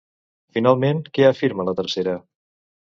Finalment, què afirma la tercera?